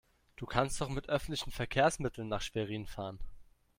Du kannst doch mit öffentlichen Verkehrsmitteln nach Schwerin fahren